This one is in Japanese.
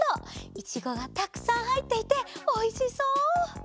いちごがたくさんはいっていておいしそう！